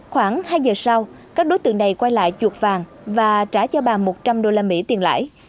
khoảng hai giờ sau các đối tượng này quay lại chuột vàng và trả cho bà một trăm linh đô la mỹ tiền lãi